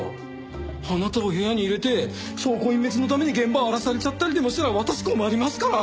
あなたを部屋に入れて証拠隠滅のために現場荒らされちゃったりでもしたら私困りますから！